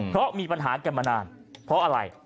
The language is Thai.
เพราะมีปัญหากันมานานเพราะอะไร